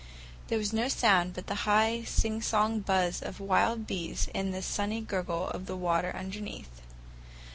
There was no sound but the high, sing song buzz of wild bees and the sunny gurgle of the water underneath.